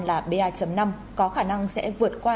là ba năm có khả năng sẽ vượt qua